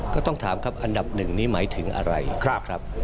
ก็ต้องถามครับอันดับหนึ่งนี้หมายถึงอะไรนะครับ